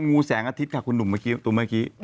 งูแสงอาทิตย์ค่ะคุณหนุ่มเมื่อกี้ตัวเมื่อกี้